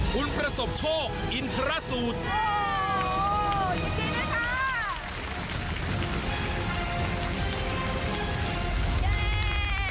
ไปเลยสามสองหนึ่งสามสามสาม